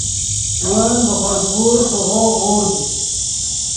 ون ڤے خوئے پور پیغو غورد